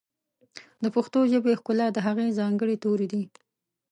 د پښتو ژبې ښکلا د هغې ځانګړي توري دي.